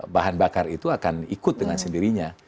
bahan bakar itu akan ikut dengan sendirinya